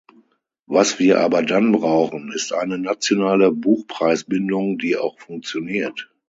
Was wir aber dann brauchen, ist eine nationale Buchpreisbindung, die auch funktioniert.